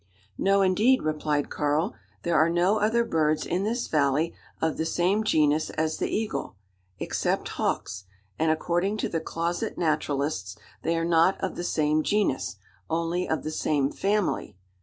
"No, indeed," replied Karl. "There are no other birds in this valley of the same genus as the eagle except hawks; and according to the closet naturalists, they are not of the same genus only of the same family.